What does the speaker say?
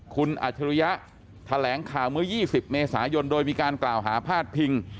คุณอัจฉริยะแถลงข่าวเมื่อ๒๐เมษายนโดยมีการกล่าวหาพาดพิง